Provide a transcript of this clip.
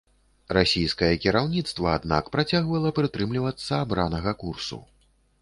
Расійскае кіраўніцтва, аднак, працягвала прытрымлівацца абранага курсу.